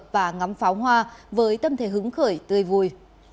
và ngắm pháo hoa với tâm thế hứng khởi tươi vui